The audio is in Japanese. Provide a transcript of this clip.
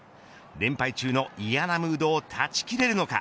連敗中の嫌なムードを断ち切れるのか。